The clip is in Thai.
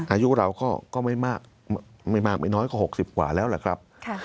อายุเราก็ไม่มากไม่น้อยกว่า๖๐กว่าแล้วล่ะครับ